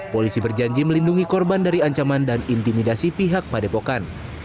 polisi berjanji melindungi korban dari ancaman dan intimidasi pihak padepokan